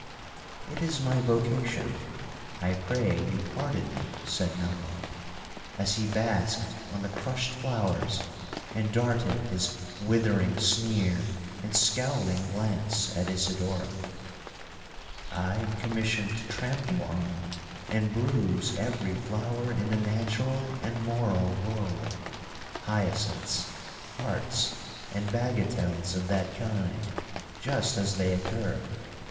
'It is my vocation—I pray you pardon me!' said Melmoth, as he basked on the crushed flowers, and darted his withering sneer and scowling glance at Isidora. 'I am commissioned to trample on and bruise every flower in the natural and moral world—hyacinths, hearts, and bagatelles of that kind, just as they occur.